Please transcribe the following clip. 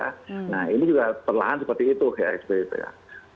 nah ini juga perlahan seperti itu ya seperti itu ya